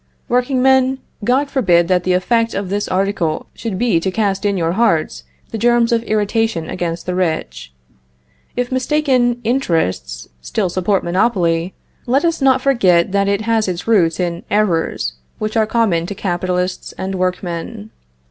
Workingmen, God forbid that the effect of this article should be to cast in your hearts the germs of irritation against the rich. If mistaken interests still support monopoly, let us not forget that it has its root in errors, which are common to capitalists and workmen.